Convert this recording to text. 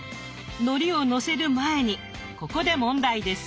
のりをのせる前にここで問題です。